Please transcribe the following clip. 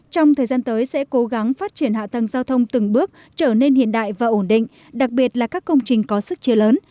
trong thời gian tới sẽ cố gắng phát triển hạ tầng giao thông từng bước trở nên hiện đại và ổn định đặc biệt là các công trình có sức chia lớn